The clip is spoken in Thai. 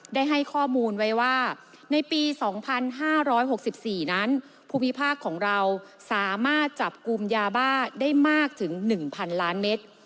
ได้ให้ข้อมูลไว้ว่าในปี๒๕๖๔นั้นภูมิภาคของเราสามารถจับกลุ่มยาบ้าได้มากถึง๑๐๐๐ล้านเมตร